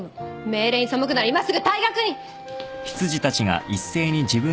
命令に背くなら今すぐ退学に。